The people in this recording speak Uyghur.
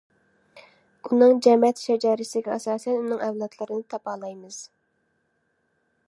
ئۇنىڭ جەمەت شەجەرىسىگە ئاساسەن ئۇنىڭ ئەۋلادلىرىنى تاپالايمىز.